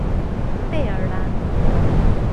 贝尔兰。